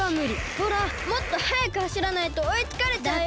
ほらもっとはやくはしらないとおいつかれちゃうよ。